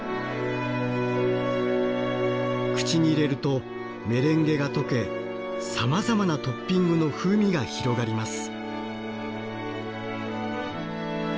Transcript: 口に入れるとメレンゲが溶けさまざまなトッピングの風味が広がります。